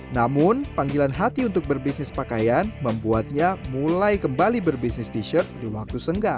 namun panggilan hati untuk berbisnis pakaian membuatnya mulai kembali berbisnis t shirt di waktu senggang